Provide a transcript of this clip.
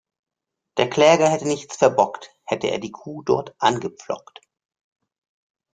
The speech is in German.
Der Kläger hätte nichts verbockt, hätte er die Kuh dort angepflockt.